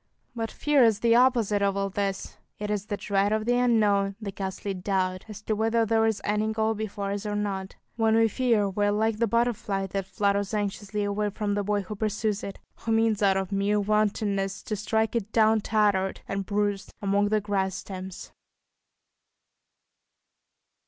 But fear is the opposite of all this; it is the dread of the unknown, the ghastly doubt as to whether there is any goal before us or not; when we fear, we are like the butterfly that flutters anxiously away from the boy who pursues it, who means out of mere wantonness to strike it down tattered and bruised among the grass stems.